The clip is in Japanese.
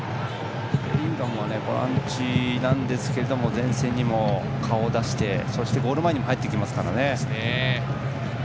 ベリンガムはボランチなんですが前線にも顔を出してゴール前にも入ってきますからね。